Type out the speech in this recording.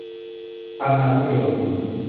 พรรคนาวิกโยธิน